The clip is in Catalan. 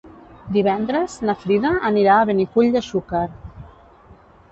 Divendres na Frida anirà a Benicull de Xúquer.